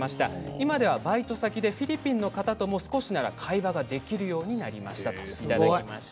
今ではバイト先でフィリピンの方とも少しだったら会話ができるようになりましたということです。